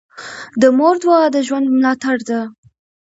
د مور دعا د ژوند ملاتړ ده.